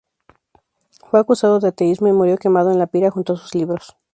Fue acusado de ateísmo y murió quemado en la pira junto a sus libros.